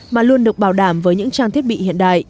mà luôn được bảo đảm với những trang thiết bị hiện đại